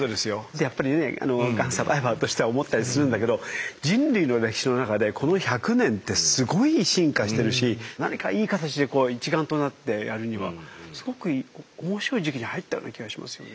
やっぱりねがんサバイバーとしては思ったりするんだけど人類の歴史の中でこの１００年ってすごい進化してるし何かいい形でこう一丸となってやるにはすごく面白い時期に入ったような気がしますよね。